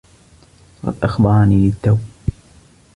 لقد أخبرني للتّو.